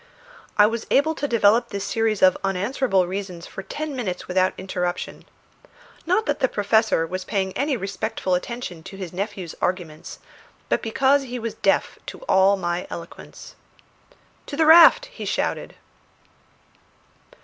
I was able to develop this series of unanswerable reasons for ten minutes without interruption; not that the Professor was paying any respectful attention to his nephew's arguments, but because he was deaf to all my eloquence. "To the raft!" he shouted.